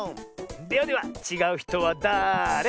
ではではちがうひとはだれ？